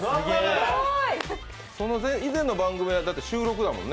以前の番組は収録だもんね。